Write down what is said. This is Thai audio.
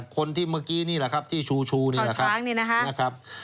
คนที่เมื่อกี้นี่แหละครับที่ชูนี่แหละครับนะครับ